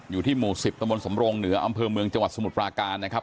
อยู่ที่หมู่๑๐ตะบนสำรงเหนืออำเภอเมืองจังหวัดสมุทรปราการนะครับ